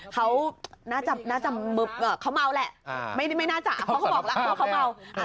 เขาน่าจะเขาเมาแหละไม่น่าจะเขาก็บอกแล้วว่าเขาเมา